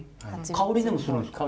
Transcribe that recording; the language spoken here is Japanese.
香りでもするんですか？